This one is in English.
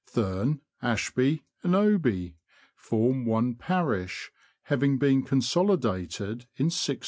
Thurne, Ashby, and Oby form one parish, having been consolidated in 1604.